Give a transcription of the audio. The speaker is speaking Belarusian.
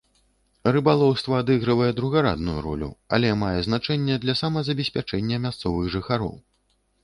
Рыбалоўства адыгрывае другарадную ролю, але мае значэнне для самазабеспячэння мясцовых жыхароў.